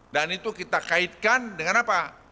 dan itu kita kaitkan dengan apa